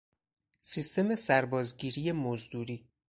سیستم سرباز گیری مزدوری